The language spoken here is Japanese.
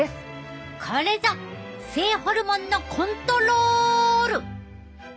これぞ性ホルモンのコントロール！